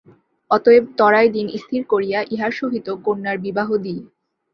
অতএব ত্বরায় দিন স্থির করিয়া ইহার সহিত কন্যার বিবাহ দি।